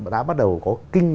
đã bắt đầu có kinh tế